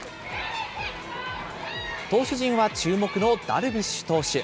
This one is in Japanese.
投手陣は注目のダルビッシュ投手。